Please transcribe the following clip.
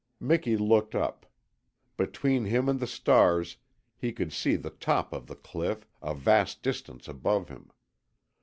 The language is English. Miki looked up. Between him and the stars he could see the top of the cliff, a vast distance above him.